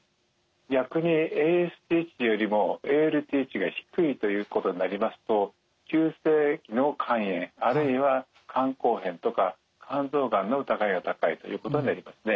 逆にＡＳＴ値よりもＡＬＴ値が低いということになりますと急性期の肝炎あるいは肝硬変とか肝臓がんの疑いが高いということになりますね。